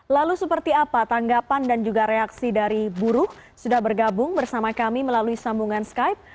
lalu seperti apa tanggapan dan juga reaksi dari buruh sudah bergabung bersama kami melalui sambungan skype